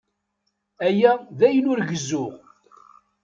Aya d ayen ur gezzuɣ.